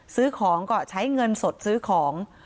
ซื้อของก็ใช้เงินสดซื้อของ